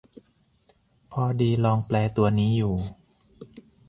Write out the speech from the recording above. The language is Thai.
พอดีลองแปลตัวนี้อยู่